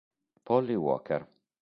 Polly Walker